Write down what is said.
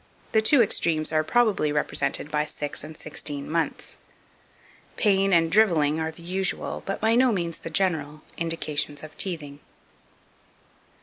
The two extremes are probably represented by six and sixteen months. Pain and drivelling are the usual, but by no means the general, indications of teething.